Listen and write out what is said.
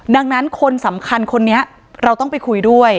ดังนั้นคนสำคัญคนนี้เราต้องไปคุยด้วย